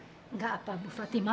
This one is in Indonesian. tidak apa ibu fatimah